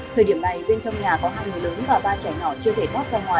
thời điểm này bên trong nhà có hai người lớn và ba trẻ nhỏ chưa thể bót ra ngoài